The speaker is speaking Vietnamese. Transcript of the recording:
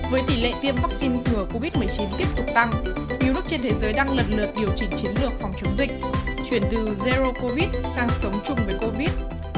với tỷ lệ tiêm vaccine ngừa covid một mươi chín tiếp tục tăng nhiều nước trên thế giới đang lần lượt điều chỉnh chiến lược phòng chống dịch chuyển từ zero covid sang sống chung với covid